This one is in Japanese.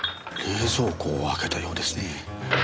「」冷蔵庫を開けたようですね。